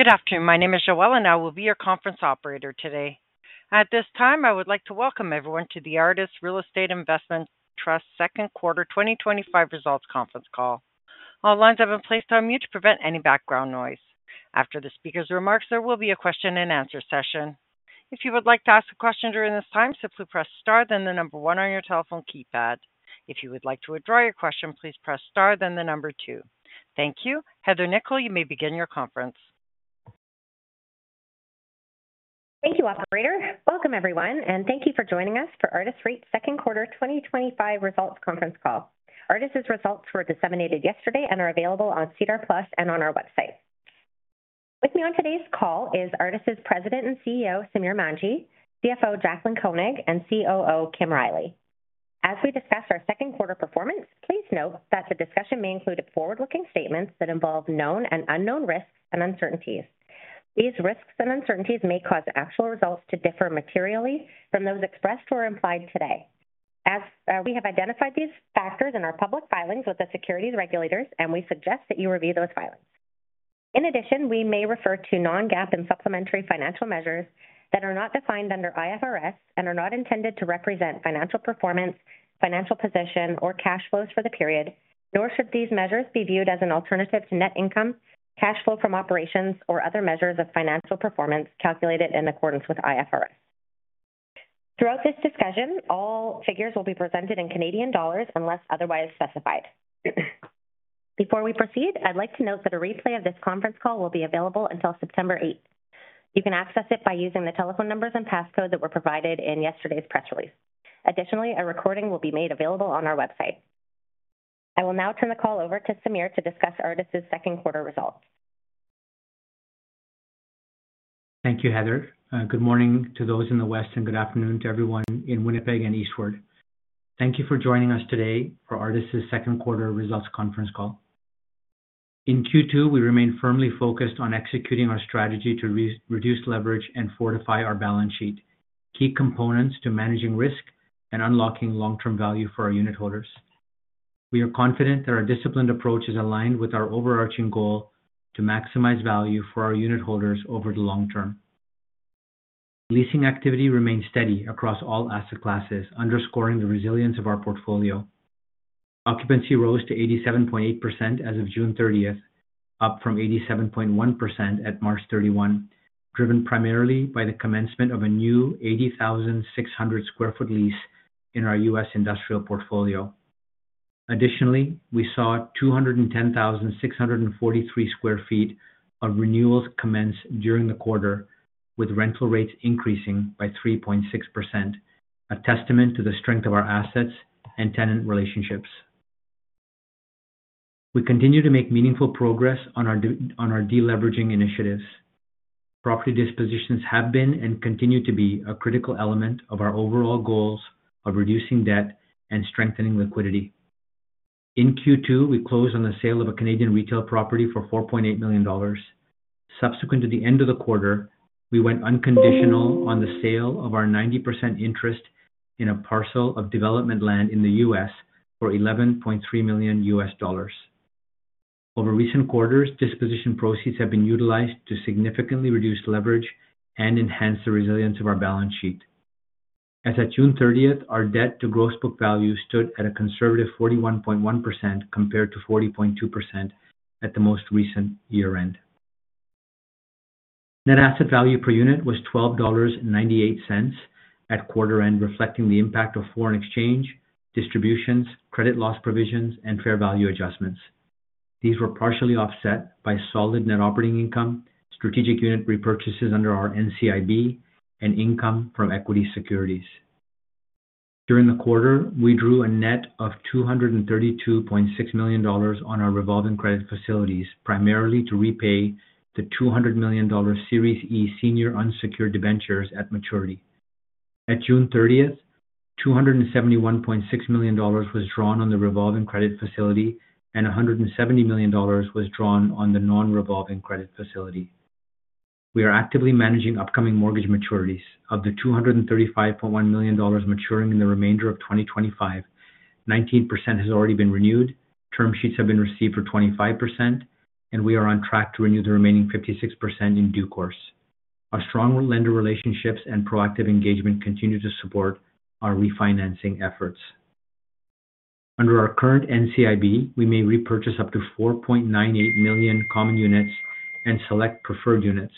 Good afternoon. My name is Joelle, and I will be your conference operator today. At this time, I would like to welcome everyone to the Artis Real Estate Investment Trust's Second Quarter 2025 Results Conference Call. All lines have been placed on mute to prevent any background noise. After the speaker's remarks, there will be a question and answer session. If you would like to ask a question during this time, simply press star, then the number one on your telephone keypad. If you would like to withdraw your question, please press star, then the number two. Thank you. Heather Nikkel, you may begin your conference. Thank you, operator. Welcome, everyone, and thank you for joining us for Artis Real Estate Investment Trust's second quarter 2025 results conference call. Artis' results were disseminated yesterday and are available on SEDAR+ and on our website. With me on today's call is Artis' President and CEO, Samir Manji, CFO, Jaclyn Koenig, and COO, Kim Riley. As we discuss our second quarter performance, please note that our discussion may include forward-looking statements that involve known and unknown risks and uncertainties. These risks and uncertainties may cause actual results to differ materially from those expressed or implied today. We have identified these factors in our public filings with the securities regulators, and we suggest that you review those filings. In addition, we may refer to non-GAAP and supplementary financial measures that are not defined under IFRS and are not intended to represent financial performance, financial position, or cash flows for the period, nor should these measures be viewed as an alternative to net income, cash flow from operations, or other measures of financial performance calculated in accordance with IFRS. Throughout this discussion, all figures will be presented in Canadian dollars unless otherwise specified. Before we proceed, I'd like to note that a replay of this conference call will be available until September 8. You can access it by using the telephone numbers and passcode that were provided in yesterday's press release. Additionally, a recording will be made available on our website. I will now turn the call over to Samir to discuss Artis' second quarter results. Thank you, Heather. Good morning to those in the West, and good afternoon to everyone in Winnipeg and eastward. Thank you for joining us today for Artis' second quarter results conference call. In Q2, we remain firmly focused on executing our strategy to reduce leverage and fortify our balance sheet, key components to managing risk and unlocking long-term value for our unitholders. We are confident that our disciplined approach is aligned with our overarching goal to maximize value for our unitholders over the long-term. Leasing activity remains steady across all asset classes, underscoring the resilience of our portfolio. Occupancy rose to 87.8% as of June 30, up from 87.1% at March 31, driven primarily by the commencement of a new 80,600 sq ft lease in our U.S. industrial portfolio. Additionally, we saw 210,643 sq ft of renewals commence during the quarter, with rental rates increasing by 3.6%, a testament to the strength of our assets and tenant relationships. We continue to make meaningful progress on our de-leveraging initiatives. Property dispositions have been and continue to be a critical element of our overall goals of reducing debt and strengthening liquidity. In Q2, we closed on the sale of a Canadian retail property for 4.8 million dollars. Subsequent to the end of the quarter, we went unconditional on the sale of our 90% interest in a parcel of development land in the U.S. for $11.3 million. Over recent quarters, disposition proceeds have been utilized to significantly reduce leverage and enhance the resilience of our balance sheet. As of June 30, our debt to gross book value stood at a conservative 41.1% compared to 40.2% at the most recent year-end. Net asset value per unit was 12.98 dollars at quarter end, reflecting the impact of foreign exchange, distributions, credit loss provisions, and fair value adjustments. These were partially offset by solid net operating income, strategic unit repurchases under our normal course issuer bid, and income from equity securities. During the quarter, we drew a net of 232.6 million dollars on our revolving credit facilities, primarily to repay the 200 million dollars Series E senior unsecured debentures at maturity. At June 30, 271.6 million dollars was drawn on the revolving credit facility, and 170 million dollars was drawn on the non-revolving credit facility. We are actively managing upcoming mortgage maturities. Of the 235.1 million dollars maturing in the remainder of 2025, 19% has already been renewed, term sheets have been received for 25%, and we are on track to renew the remaining 56% in due course. Our strong lender relationships and proactive engagement continue to support our refinancing efforts. Under our current NCIB, we may repurchase up to 4.98 million common units and select preferred units.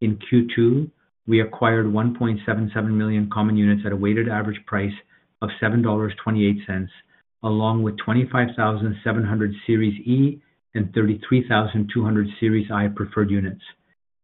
In Q2, we acquired 1.77 million common units at a weighted average price of 7.28 dollars, along with 25,700 Series E and 33,200 Series I preferred units.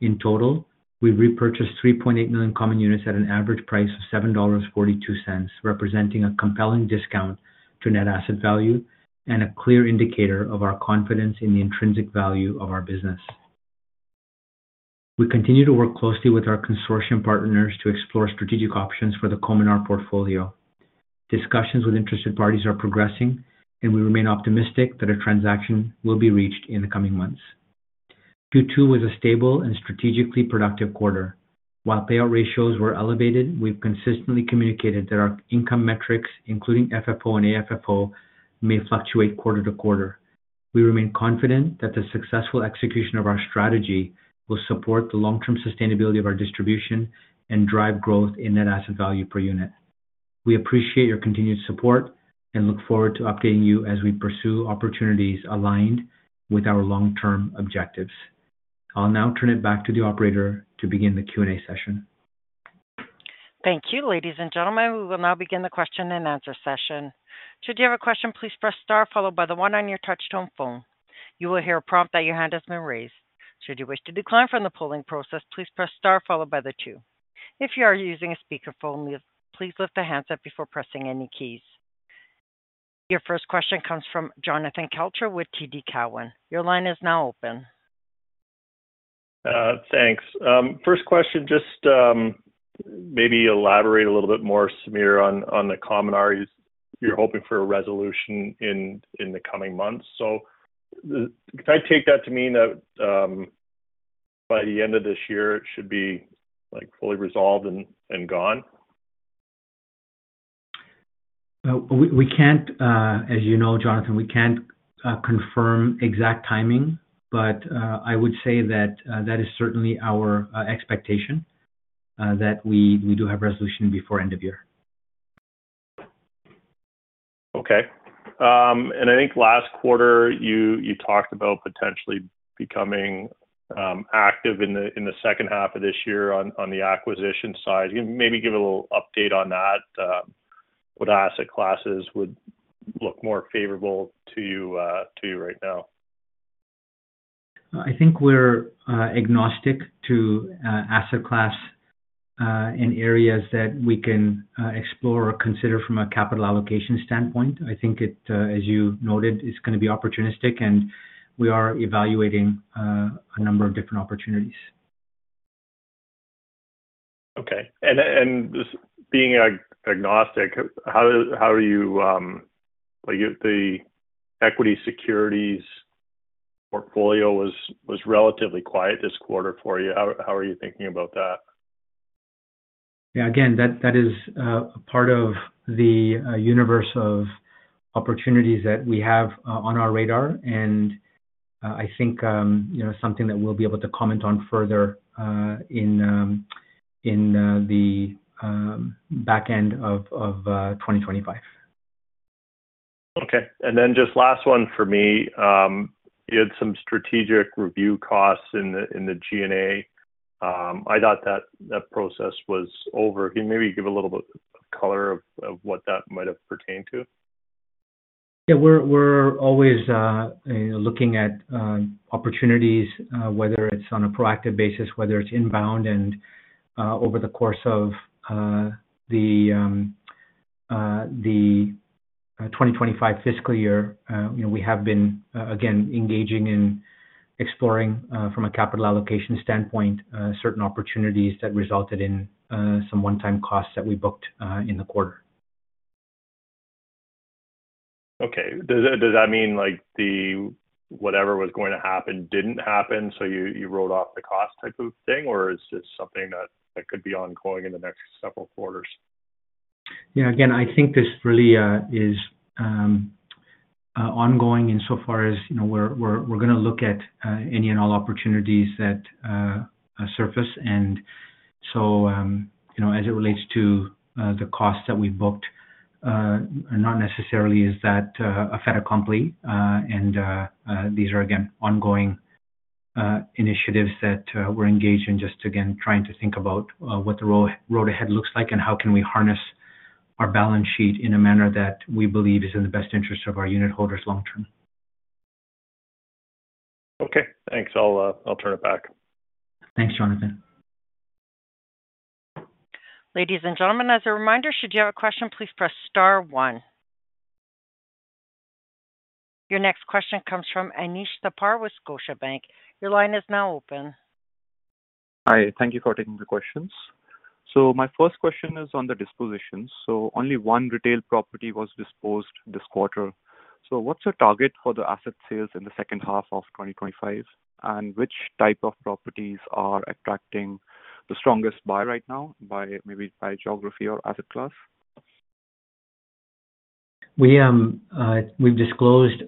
In total, we repurchased 3.8 million common units at an average price of 7.42 dollars, representing a compelling discount to net asset value and a clear indicator of our confidence in the intrinsic value of our business. We continue to work closely with our consortium partners to explore strategic options for the Common R portfolio. Discussions with interested parties are progressing, and we remain optimistic that a transaction will be reached in the coming months. Q2 was a stable and strategically productive quarter. While payout ratios were elevated, we've consistently communicated that our income metrics, including FFO and AFFO, may fluctuate quarter to quarter. We remain confident that the successful execution of our strategy will support the long-term sustainability of our distribution and drive growth in net asset value per unit. We appreciate your continued support and look forward to updating you as we pursue opportunities aligned with our long-term objectives. I'll now turn it back to the operator to begin the Q&A session. Thank you, ladies and gentlemen. We will now begin the question and answer session. Should you have a question, please press star, followed by the one on your touch-tone phone. You will hear a prompt that your hand has been raised. Should you wish to decline from the polling process, please press star, followed by the two. If you are using a speaker phone, please lift a handset before pressing any keys. Your first question comes from Jonathan Kelcher with TD Cowen. Your line is now open. Thanks. First question, just maybe elaborate a little bit more, Samir, on the Common R, you're hoping for a resolution in the coming months. Can I take that to mean that by the end of this year, it should be fully resolved and gone? We can't, as you know, Jonathan, we can't confirm exact timing, but I would say that that is certainly our expectation, that we do have resolution before end of year. Okay. I think last quarter, you talked about potentially becoming active in the second half of this year on the acquisition side. Can you maybe give a little update on that? What asset classes would look more favorable to you right now? I think we're agnostic to asset class in areas that we can explore or consider from a capital allocation standpoint. I think it, as you noted, is going to be opportunistic, and we are evaluating a number of different opportunities. Okay. Being agnostic, how are you, like the equity securities portfolio was relatively quiet this quarter for you. How are you thinking about that? That is a part of the universe of opportunities that we have on our radar, and I think something that we'll be able to comment on further in the back end of 2025. Okay. Just last one for me. You had some strategic review costs in the G&A. I thought that that process was over. Can you maybe give a little bit of color of what that might have pertained to? Yeah, we're always looking at opportunities, whether it's on a proactive basis, whether it's inbound, and over the course of the 2025 fiscal year, we have been engaging in exploring, from a capital allocation standpoint, certain opportunities that resulted in some one-time costs that we booked in the quarter. Okay. Does that mean like whatever was going to happen didn't happen, so you rolled off the cost type of thing, or is this something that could be ongoing in the next several quarters? Yeah, I think this really is ongoing insofar as, you know, we're going to look at any and all opportunities that surface. As it relates to the costs that we booked, not necessarily is that a fit accompanied. These are ongoing initiatives that we're engaged in, just trying to think about what the road ahead looks like and how can we harness our balance sheet in a manner that we believe is in the best interest of our unitholders long-term. Okay, thanks. I'll turn it back. Thanks, Jonathan. Ladies and gentlemen, as a reminder, should you have a question, please press star one. Your next question comes from Anish Thapar with Scotiabank. Your line is now open. Hi. Thank you for taking the questions. My first question is on the dispositions. Only one retail property was disposed this quarter. What's your target for the asset sales in the second half of 2025? Which type of properties are attracting the strongest buy right now, maybe by geography or asset class? We've disclosed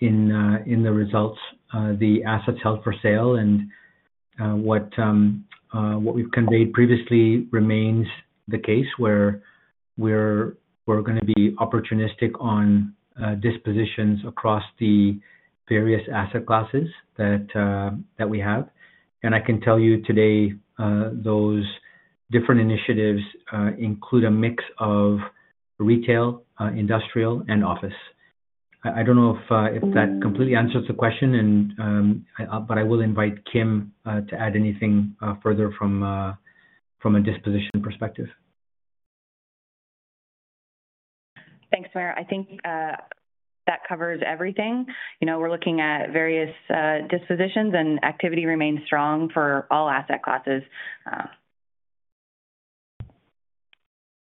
in the results the assets held for sale, and what we've conveyed previously remains the case, where we're going to be opportunistic on dispositions across the various asset classes that we have. I can tell you today, those different initiatives include a mix of retail, industrial, and office. I don't know if that completely answers the question, but I will invite Kim to add anything further from a disposition perspective. Thanks, Samir. I think that covers everything. We're looking at various dispositions, and activity remains strong for all asset classes.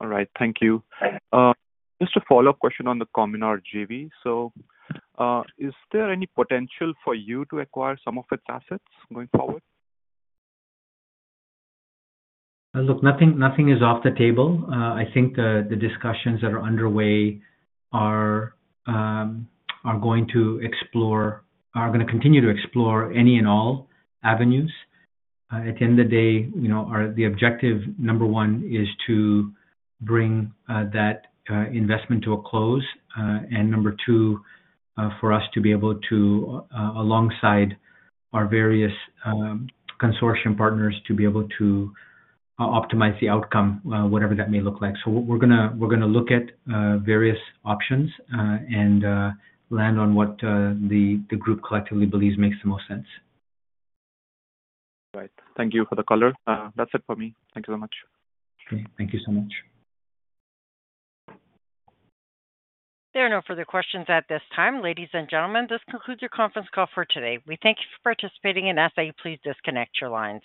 All right. Thank you. Just a follow-up question on the Common R JV. Is there any potential for you to acquire some of its assets going forward? Nothing is off the table. I think the discussions that are underway are going to continue to explore any and all avenues. At the end of the day, the objective, number one, is to bring that investment to a close, and number two, for us to be able to, alongside our various consortium partners, optimize the outcome, whatever that may look like. We are going to look at various options and land on what the group collectively believes makes the most sense. Right. Thank you for the color. That's it for me. Thank you so much. Okay, thank you so much. There are no further questions at this time. Ladies and gentlemen, this concludes your conference call for today. We thank you for participating and ask that you please disconnect your lines.